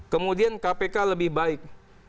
kemudian kpk lebih baik